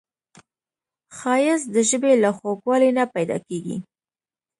ښایست د ژبې له خوږوالي نه پیداکیږي